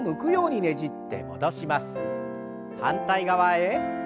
反対側へ。